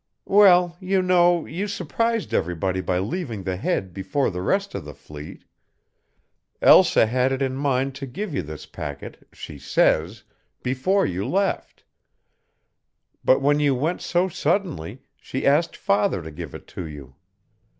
"Well, you know, you surprised everybody by leaving the Head before the rest of the fleet. Elsa had it in mind to give you this packet, she says, before you left. But when you went so suddenly she asked father to give it to you.